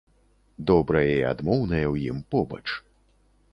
Добрае і адмоўнае ў ім побач.